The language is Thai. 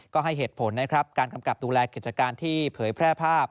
ก็ให้เหตุผลนะครับการกำกับดูแลกิจการที่เผยแพร่ภาพ